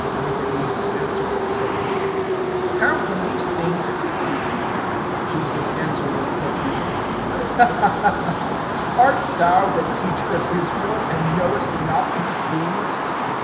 (9)Nicodemus answered and said to him: How can these things be? (10)Jesus answered and said to him: Art thou the teacher of Israel, and knowest not these things?